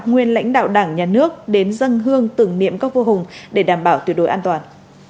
nguyên lãnh đạo đảng nhà nước đến dân hương tưởng niệm các vô hùng để đảm bảo tuyệt đối an toàn